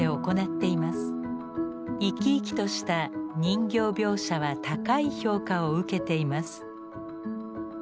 生き生きとした人形描写は高い評価を受けています。